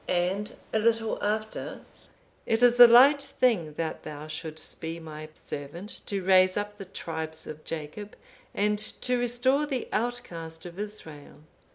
'(503) And a little after, 'It is a light thing that thou shouldst be my servant to raise up the tribes of Jacob, and to restore the outcast of Israel.